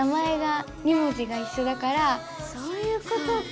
そういうことか！